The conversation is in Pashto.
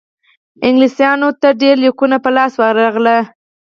انګلیسیانو ته ډېر لیکونه په لاس ورغلل.